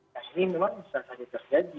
nah ini memang bisa saja terjadi